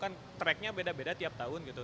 kan track nya beda beda tiap tahun gitu